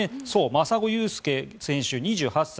真砂勇介選手、２８歳。